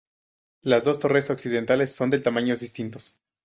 Las dos torres occidentales son de tamaños distintos.